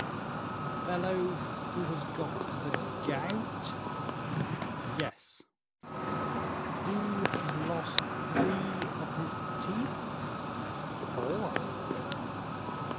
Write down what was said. "A fellow who has got the gout?" "Yes." "Who has lost three of his teeth?" "Four."